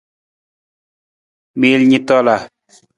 Miil ni tola.